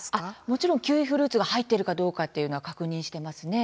もちろんキウイフルーツが入っているかどうかというのは確認してますね。